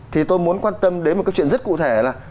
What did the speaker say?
thì tôi muốn quan tâm đến một cái chuyện rất cụ thể là